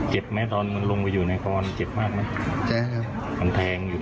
เจ็บแม่ธรรมลงไปอยู่ในข้อเจ็บมากมั้ย